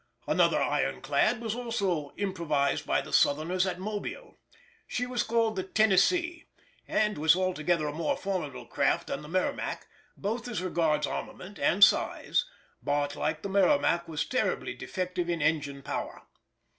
Another ironclad was also improvised by the Southerners at Mobile. She was called the Tennessee, and was altogether a more formidable craft than the Merrimac, both as regards armament and size, but like the Merrimac was terribly defective in engine power.